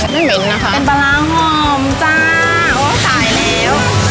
ไม่เหม็นนะคะเป็นปลาร้าหอมจ้าโอ้ตายแล้ว